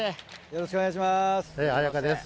よろしくお願いします。